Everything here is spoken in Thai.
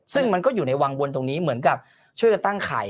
ซึ่งมันก็อยู่ในวังวนตรงนี้เหมือนกับช่วยกันตั้งไข่